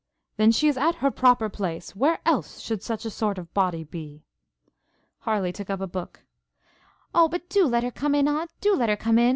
'Then she is at her proper place; where else should such a sort of body be?' Harleigh took up a book. 'O, but do let her come in, Aunt, do let her come in!'